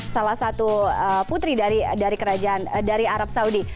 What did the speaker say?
salah satu putri dari kerajaan dari arab saudi